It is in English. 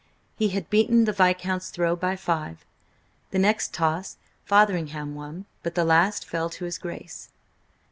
He had beaten the Viscount's throw by five. The next toss Fotheringham won, but the last fell to his Grace.